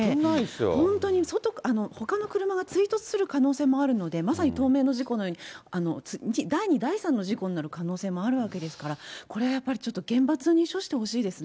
本当にほかの車が追突する可能性もあるので、まさに東名の事故のように第２、第３の事故になる可能性もあるわけですから、これはやっぱり、厳罰に処してほしいですね。